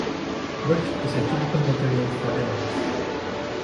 Birch is a typical material for arrows.